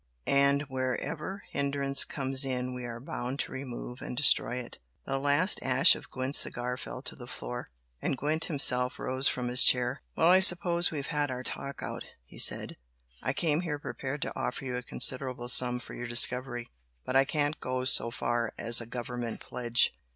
And wherever hindrance comes in we are bound to remove and destroy it!" The last ash of Gwent's cigar fell to the floor, and Gwent himself rose from his chair. "Well, I suppose we've had our talk out" he said; "I came here prepared to offer you a considerable sum for your discovery but I can't go so far as a Government pledge.